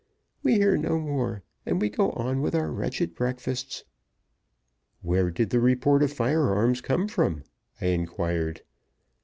We hear no more, and we go on with our wretched breakfasts." "Where did the report of firearms come from?" I inquired.